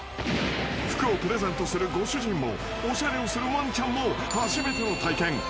［服をプレゼントするご主人もおしゃれをするワンチャンも初めての体験］